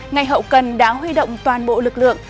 ngày hậu cần đã huy động toàn bộ lực lượng